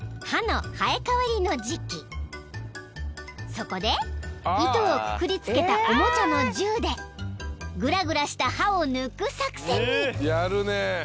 ［そこで糸をくくりつけたおもちゃの銃でグラグラした歯を抜く作戦に］